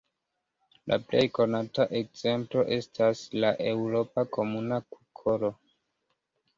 La plej konata ekzemplo estas la eŭropa Komuna kukolo.